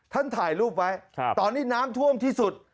ถ่ายรูปไว้ตอนนี้น้ำท่วมที่สุด